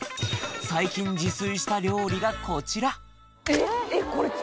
最近自炊した料理がこちらえっ！